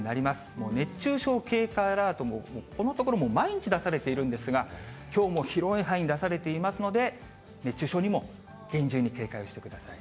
もう熱中症警戒アラートもこのところ毎日出されているんですが、きょうも広い範囲に出されていますので、熱中症にも厳重に警戒をしてください。